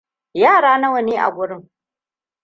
Yara nawane agurin?